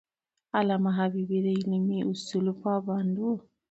علامه حبیبي د علمي اصولو پابند و.